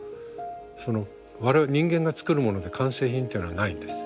その我々人間が作るもので完成品っていうのはないんです。